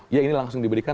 ya ini langsung diberikan